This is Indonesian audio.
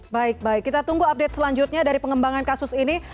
baik baik kita tunggu update selanjutnya dari pengembangan kasus ini